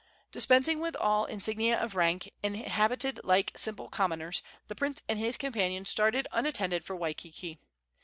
Dispensing with all insignia of rank, and habited like simple commoners, the prince and his companion started unattended for Waikiki.